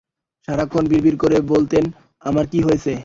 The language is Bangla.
সারাক্ষণ বিড়বিড় করে বলতেন, আমার কী হয়েছে?